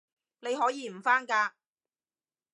你可以唔返㗎